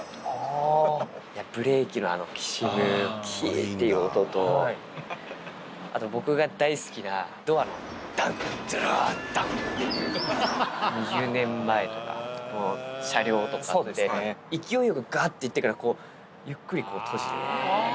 ブレーキのあのきしむ、きーっていう音と、あと、僕が大好きなドアのダン、ドルァーダン！っていう音、２０年前とかの車両とかって、勢いよくがっといってから、ゆっくり閉じる。